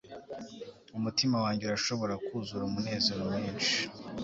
umutima wanjye urashobora kuzura umunezero mwinshi